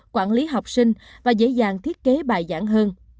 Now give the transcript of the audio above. quản lý học sinh và dễ dàng thiết kế bài giảng hơn